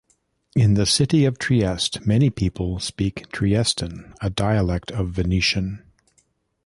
In the city of Trieste, many people speak Triestine, a dialect of Venetian.